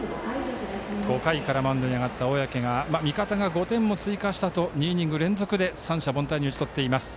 ５回からマウンドに上がった小宅が味方が５点を追加したあと三者凡退に打ち取っています。